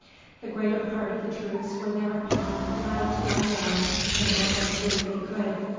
The greater part of the troops were thereupon allowed to lie down and get what sleep they could.